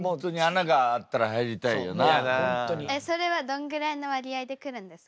それはどんぐらいの割合で来るんですか？